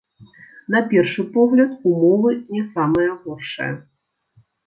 На першы погляд, умовы не самыя горшыя.